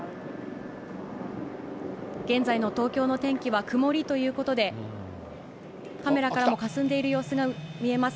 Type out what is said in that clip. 現在の東京の天気は、曇りということで、カメラからも、かすんでいる様子が見えます。